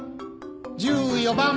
１４番。